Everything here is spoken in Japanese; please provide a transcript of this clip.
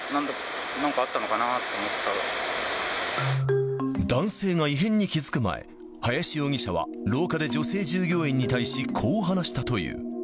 なんかあっ男性が異変に気付く前、林容疑者は、廊下で女性従業員に対してこう話したという。